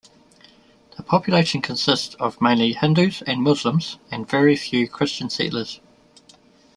The population consists of mainly Hindus and Muslims and very few Christian settlers.